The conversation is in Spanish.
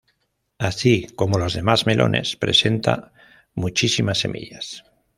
Así como los demás melones presenta muchísimas semillas.